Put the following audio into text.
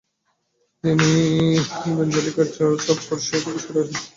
তিনি evangelical church of Prussia থেকে সরে আসেন।